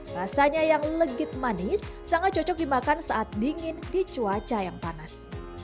rasanya yang legit manis sangat cocok dimakan saat dingin di cuaca yang panas